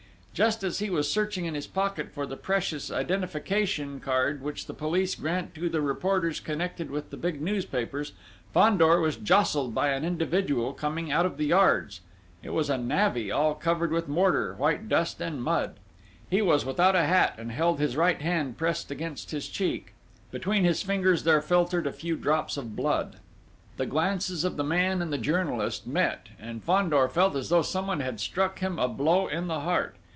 Just as he was searching in his pocket for the precious identification card, which the police grant to the reporters connected with the big newspapers, Fandor was jostled by an individual coming out of the yards. It was a navvy all covered with mortar, white dust, and mud; he was without a hat and held his right hand pressed against his cheek; between his fingers there filtered a few drops of blood. The glances of the man and the journalist met, and Fandor felt as though someone had struck him a blow on the heart!